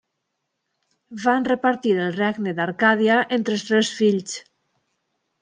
Va repartir el regne d'Arcàdia entre els tres fills.